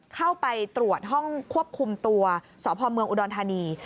เข้าไปตรวจห้องควบคุมตัวสพเมืองอุดรธานี